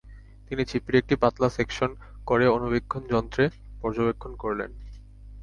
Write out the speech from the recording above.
তিনি ছিপির একটি পাতলা সেকশন করে অণুবীক্ষণ যন্রে পর্যবেক্ষণ করলেন।